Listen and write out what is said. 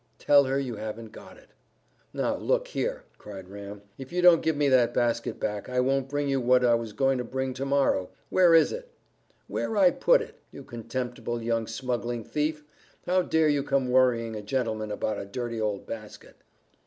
"Tell her you haven't got it." "Now, look here," cried Ram, "if you don't give me that basket back, I won't bring you what I was going to bring to morrow. Where is it?" "Where I put it. You contemptible young smuggling thief! How dare you come worrying a gentleman about a dirty old basket!"